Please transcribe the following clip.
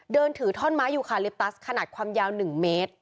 เดินถือท่อนไม้ยูคาลิปตัสขนาดความยาว๑เมตร